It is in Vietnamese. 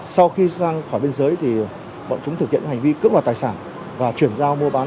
sau khi sang khỏi biên giới thì bọn chúng thực hiện hành vi cướp đoạt tài sản và chuyển giao mua bán